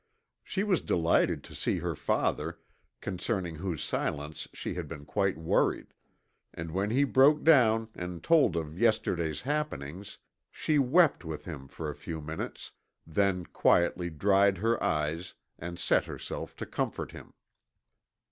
She was delighted to see her father, concerning whose silence she had been quite worried, and when he broke down and told of yesterday's happenings, she wept with him for a few minutes, then quietly dried her eyes and set herself to comfort him.